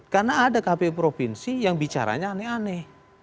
karena ada kpu provinsi yang bicaranya aneh aneh